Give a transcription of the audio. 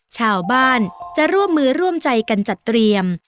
ชาวบ้านจะร่วมมือร่วมใจกันจัดเตรียม